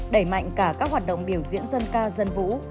đẩy mạnh cả các hoạt động biểu diễn dân ca dân vũ